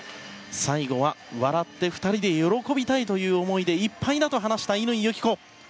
最後は笑って２人で喜びたいという思いでいっぱいだと話した乾友紀子。